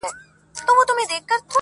په منډه نه ده، په ټنډه ده.